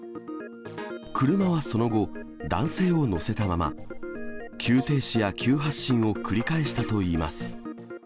車はその後、男性を乗せたまま、急停止や急発進を繰り返したといいます。